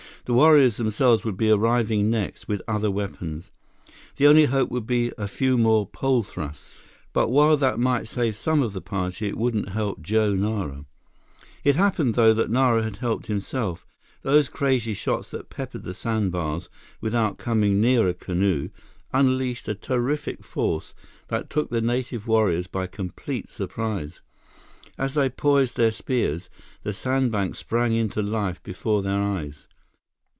The warriors themselves would be arriving next, with other weapons. The only hope would be a few more pole thrusts, but while that might save some of the party, it wouldn't help Joe Nara. It happened though, that Nara had helped himself. Those crazy shots that peppered the sandbars without coming near a canoe, unleashed a terrific force that took the native warriors by complete surprise. As they poised their spears, the sandbanks sprang into life before their eyes.